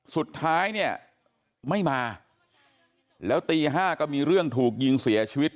สุดท้ายเนี่ยไม่มาแล้วตี๕ก็มีเรื่องถูกยิงเสียชีวิต